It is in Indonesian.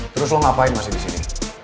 terus lo ngapain masih disini